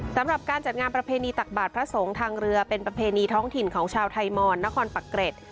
สำหรับการจัดงานประเพณีตักบาทพระสงฆ์ทางเรือเป็นประเพณีท้องถิ่นของชาวไทยมอนนครปักเกร็ด